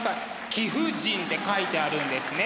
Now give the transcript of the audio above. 「貴婦人」って書いてあるんですね。